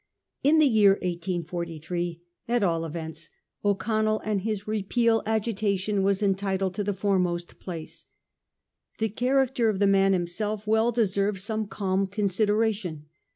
In the year 1843, at all events, O'Connell and his Eepeal agitation are entitled to the foremost place. The character of the man himself well deserves some calm consideration.